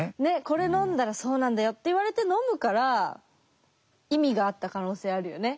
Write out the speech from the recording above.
「これ飲んだらそうなんだよ」って言われて飲むから意味があった可能性あるよね。